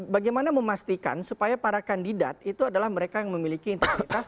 bagaimana memastikan supaya para kandidat itu adalah mereka yang memiliki integritas